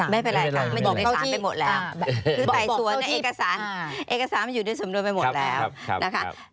ไม่เป็นไรค่ะมันอยู่ในสารไปหมดแล้วคือไต่สวนเอกสารเอกสารมันอยู่ในสำนวนไปหมดแล้วนะคะ